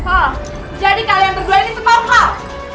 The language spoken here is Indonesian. oh jadi kalian berdua ini sepau kau